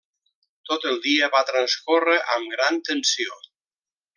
Tot el dia va transcórrer amb gran tensió.